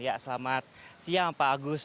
ya selamat siang pak agus